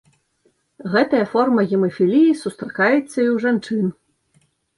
Гэтая форма гемафіліі сустракаецца і ў жанчын.